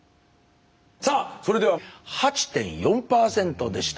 さあそれでは８．４％でした